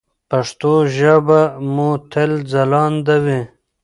پښتو ژبه مو تل ځلانده وي.